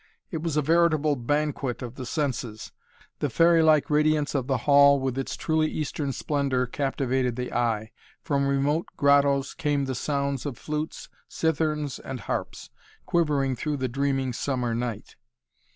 It was a veritable banquet of the senses. The fairylike radiance of the hall with its truly eastern splendor captivated the eye. From remote grottoes came the sounds of flutes, citherns and harps, quivering through the dreaming summer night.